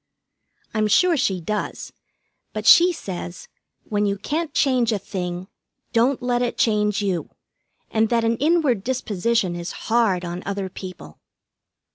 I'm sure she does, but she says, when you can't change a thing, don't let it change you, and that an inward disposition is hard on other people.